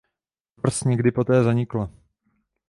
Tvrz někdy poté zanikla.